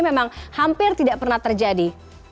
memang hampir tidak pernah terjadi